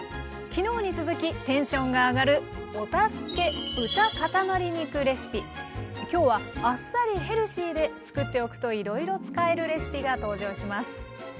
昨日に続きテンションが上がる今日はあっさりヘルシーで作っておくといろいろ使えるレシピが登場します。